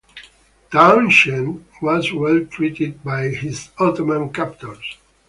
Townshend was well treated by his Ottoman captors.